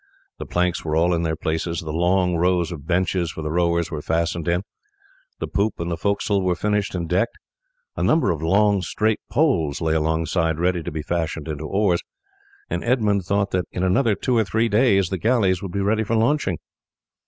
The planks were all in their places; the long rows of benches for the rowers were fastened in; the poop and forecastle were finished and decked. A number of long straight poles lay alongside ready to be fashioned into oars; and Edmund thought that in another two or three days the galleys would be ready for launching.